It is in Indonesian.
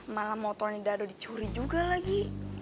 malah motornya juga lagi